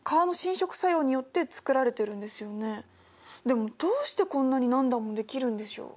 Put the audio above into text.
でもどうしてこんなに何段もできるんでしょう？